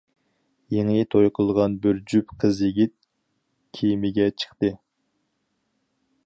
يېڭى توي قىلغان بىر جۈپ قىز-يىگىت كېمىگە چىقتى.